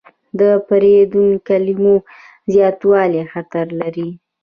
د پردیو کلمو زیاتوالی خطر لري.